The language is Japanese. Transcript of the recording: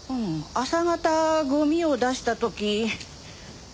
朝方ゴミを出した時。